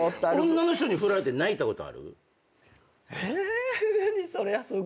女の人にフラれて泣いたこと？